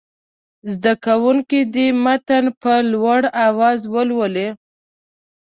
زده کوونکي دې متن په لوړ اواز ولولي.